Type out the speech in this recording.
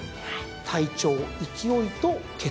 体調勢いと血統。